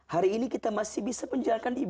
hari ini kita masih bisa menjalankan ibadah